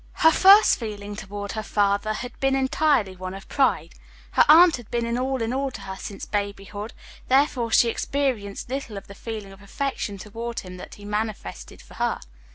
Her first feeling toward her father had been entirely one of pride. Her aunt had been all in all to her since babyhood, therefore she experienced little of the feeling of affection toward him that he manifested for her.